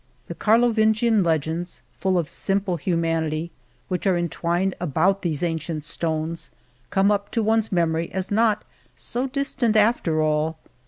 The Carlovingian le gends, full of simple humanity, which are en twined about these ancient stones come up to one's memory as not so distant after all.